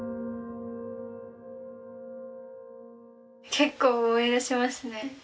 結構思い出しますね。